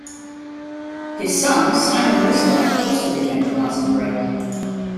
His son, Simon Whistler, also became a glass engraver.